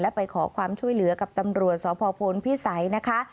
ไปขอความช่วยเหลือกับตำรวจสพพลพิสัยนะคะ